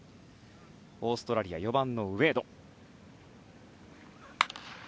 オーストラリア４番のウェード。